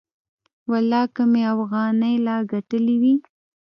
ولله که مې اوغانۍ لا گټلې وي.